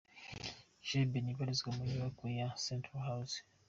Chez Benny ibarizwa mu nyubako ya Centenary House.